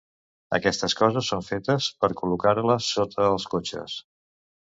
Aquestes coses són fetes per col·locar-les sota els cotxes.